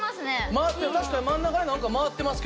回ってますね。